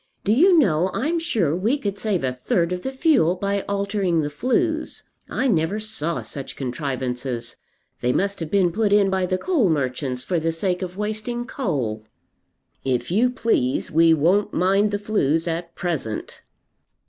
Do you know, I'm sure we could save a third of the fuel by altering the flues. I never saw such contrivances. They must have been put in by the coal merchants, for the sake of wasting coal." "If you please, we won't mind the flues at present."